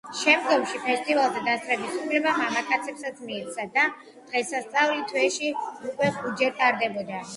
შემდგომში, ფესტივალზე დასწრების უფლება მამაკაცებსაც მიეცათ და დღესასწაული თვეში უკვე ხუთჯერ ტარდებოდა.